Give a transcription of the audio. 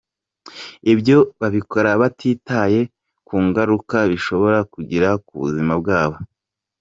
Ibyo babikora batitaye ku ngaruka bishobora kugira ku buzima bwabo.